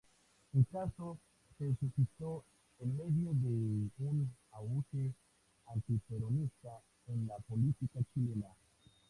El caso se suscitó en medio de un auge antiperonista en la política chilena.